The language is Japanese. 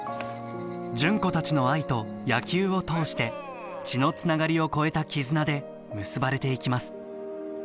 純子たちの愛と野球を通して血のつながりを超えた絆で結ばれていきます。